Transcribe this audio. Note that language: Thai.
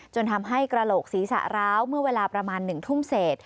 จนทำให้กระโหลกศีรษะร้าวเมื่อเวลาประมาณ๑ทุ่มเศษ